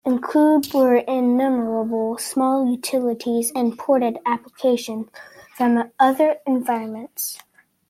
Included were innumerable small utilities and ported applications from other environments.